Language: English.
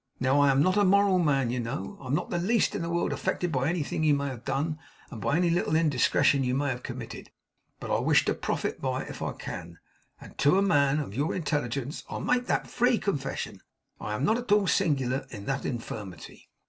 Now, I am not a moral man, you know. I am not the least in the world affected by anything you may have done; by any little indiscretion you may have committed; but I wish to profit by it if I can; and to a man of your intelligence I make that free confession. I am not at all singular in that infirmity.